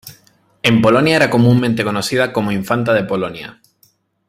En Polonia era comúnmente conocida como ""Infanta de Polonia"".